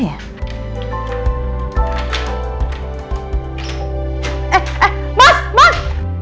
eh eh mas mas